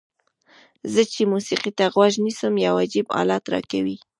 زه چې موسیقۍ ته غوږ نیسم یو عجیب حالت راکوي.